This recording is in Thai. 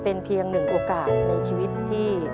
เป็นเพียงหนึ่งโอกาสในชีวิตที่